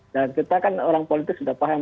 dan kita kan orang politik sudah paham